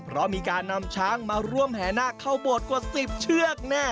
เพราะมีการนำช้างมาร่วมแห่นาคเข้าโบสถกว่า๑๐เชือกแน่